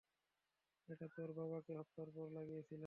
এটা তোর বাবাকে হত্যার পর লাগিয়েছিলাম।